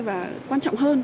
và quan trọng hơn